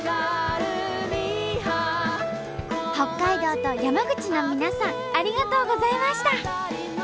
北海道と山口の皆さんありがとうございました！